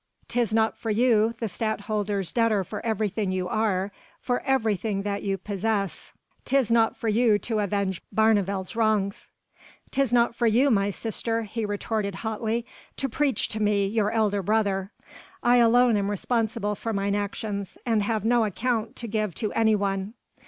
'Tis not for you, the Stadtholder's debtor for everything you are, for everything that you possess, 'tis not for you to avenge Barneveld's wrongs." "'Tis not for you, my sister," he retorted hotly, "to preach to me your elder brother. I alone am responsible for mine actions, and have no account to give to any one."